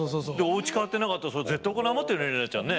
おうち変わってなかったらそれ絶対お金余ってる怜奈ちゃんね？